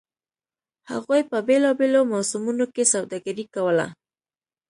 هغوی په بېلابېلو موسمونو کې سوداګري کوله.